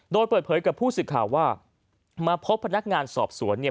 โดยเปิดเผยกับผู้สื่อข่าวว่ามาพบพนักงานสอบสวนเนี่ย